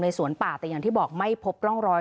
สวนป่าแต่อย่างที่บอกไม่พบร่องรอย